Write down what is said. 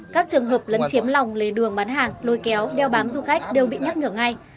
các trường hợp lấn chiếm lòng lề đường bán hàng lôi kéo đeo bám du khách đều bị nhắc nhở ngay